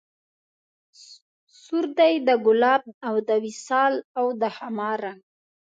سور دی د ګلاب او د وصال او د خمار رنګ